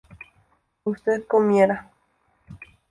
usted comiera